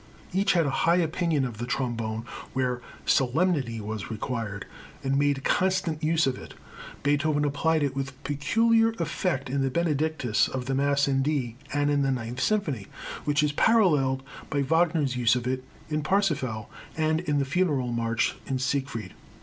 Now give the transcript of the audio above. Each had a high opinion of the trombone where solemnity was required, and made constant use of it. Beethoven applied it with peculiar effect in the Benedictus of the Mass in D, and in the Ninth Symphony, which is paralleled by Wagner's use of it in Parsifal, and in the Funeral march in Siegfried.